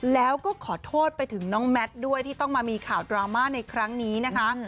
แล้วก็ขอโทษไปถึงน้องแมทด้วยที่ต้องมามีข่าวดราม่าในครั้งนี้นะคะ